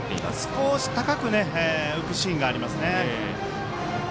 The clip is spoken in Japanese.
少し高く浮くシーンがありますね。